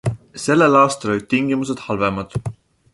Sellel aastal olid tingimused halvemad.